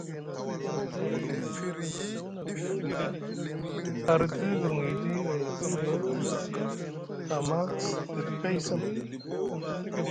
A rɗiti guirŋiɗi ayni pay bak amma te sɗiti kay sam.